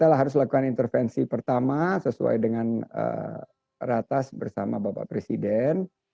kita harus lakukan intervensi pertama sesuai dengan ratas bersama bapak presiden